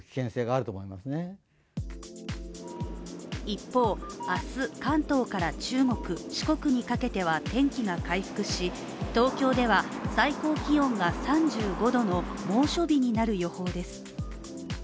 一方、明日、関東から中国、四国にかけては天気が回復し、東京では最高気温が３５度の猛暑日になる予報です。